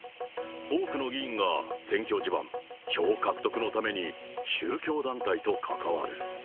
多くの議員が選挙地盤、票獲得のために宗教団体と関わる。